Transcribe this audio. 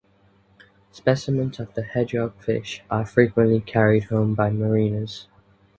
Specimens of the hedgehog-fish are frequently carried home by mariners.